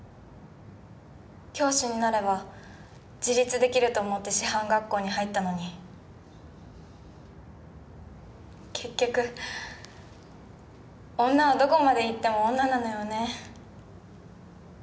教師になれば自立できると思って師範学校に入ったのに結局女はどこまで行っても女なのよね。